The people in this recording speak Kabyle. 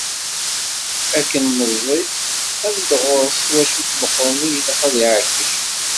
Akken meẓẓi, teqqen-d ɣur-s twacult meqqren i ilaq ad iεeyyec.